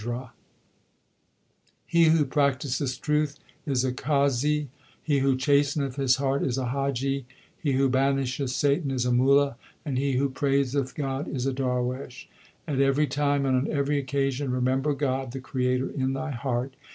LIFE OF GURU ARJAN 19 He who practiseth truth is a Qazi ; He who chasteneth his heart is a Haji ; He who banisheth Satan is a Mulla, and he who praiseth God is a darwesh. At every time and on every occasion Remember God, the Creator, in thy heart.